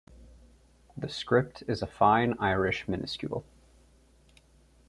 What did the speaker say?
The script is a fine Irish minuscule.